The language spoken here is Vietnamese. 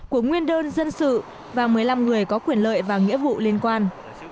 của nguyên đơn dân sự và một mươi năm người có quyền lợi và nghĩa vụ liên quan